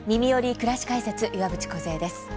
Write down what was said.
くらし解説」岩渕梢です。